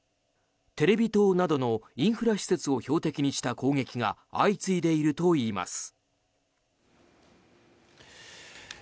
テレビ塔などのインフラ施設を標的にした攻撃が相次いでいるといいます。